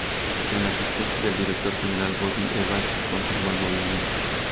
El asistente del director general, Bobby Evans, confirmó el movimiento.